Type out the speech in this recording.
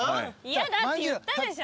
嫌だって言ったでしょ。